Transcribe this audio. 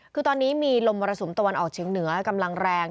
คือตอนนี้มีลมมรสุมตะวันออกเฉียงเหนือกำลังแรง